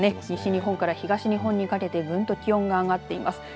西日本から東日本にかけてぐんと気温が上がっています。